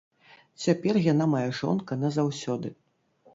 Цяпер яна мая жонка назаўсёды.